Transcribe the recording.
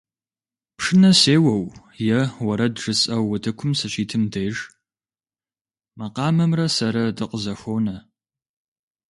Пшынэ сеуэу е уэрэд жысӀэу утыкум сыщитым деж, макъамэмрэ сэрэ дыкъызэхуонэ.